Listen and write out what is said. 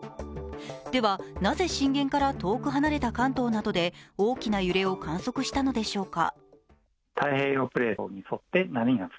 ではなぜ震源から遠く離れた関東などで大きな揺れを観測したのでしょうか？